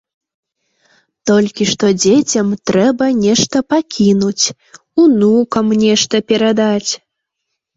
Толькі што дзецям трэба нешта пакінуць, унукам нешта перадаць!